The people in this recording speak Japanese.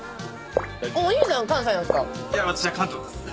いや私は関東です。